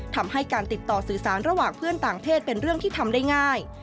ทำให้การติดต่อสื่อสารระหว่างเพื่อนต่างเพศเป็นเรื่องที่ทำได้ง่าย